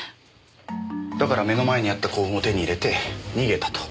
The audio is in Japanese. だから目の前にあった幸運を手に入れて逃げたと。